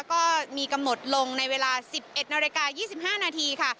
ก็มีกำหนดลงในเวลา๑๑นาฬิกา๒๕นาทีค่ะ